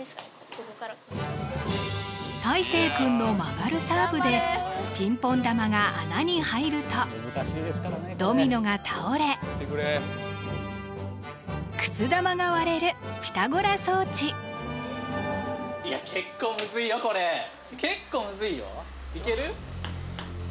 ここからたいせい君の曲がるサーブでピンポン玉が穴に入るとドミノが倒れくす玉が割れるピタゴラ装置結構むずいよいけ！